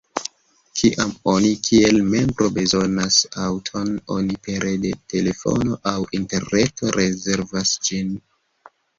Kiam oni kiel membro bezonas aŭton, oni pere de telefono aŭ interreto rezervas ĝin.